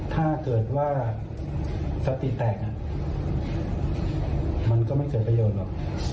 ถ้าเกิดว่าสติแตกมันก็ไม่เกิดประโยชน์หรอก